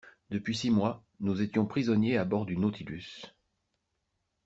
Depuis six mois nous étions prisonniers à bord du Nautilus.